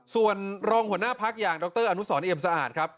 ส่วนรองหัวหน้าพักอย่างดรอนุสรเอี่ยมสะอาดครับ